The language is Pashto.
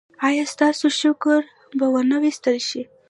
ایا ستاسو شکر به و نه ویستل شي؟